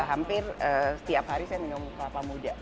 hampir setiap hari saya minum kelapa muda